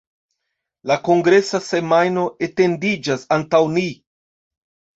La kongresa semajno etendiĝas antaŭ ni.